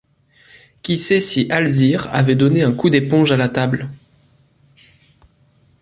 Qui sait si Alzire avait donné un coup d’éponge à la table?